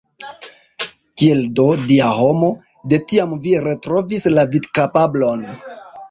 Kiel do, Dia homo, de tiam vi retrovis la vidkapablon?